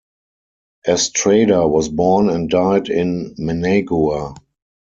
Estrada was born and died in Managua.